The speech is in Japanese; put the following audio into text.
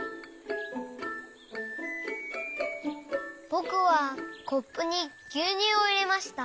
ぼくはコップにぎゅうにゅうをいれました。